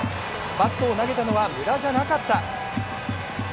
バットを投げたのは無駄じゃなかった。